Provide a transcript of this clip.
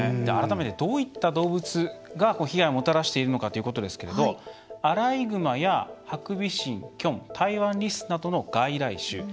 改めてどういった動物が被害をもたらしているのかということですけれどアライグマやハクビシン、キョンタイワンリスなどの外来種。